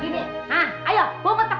si dianang marah marah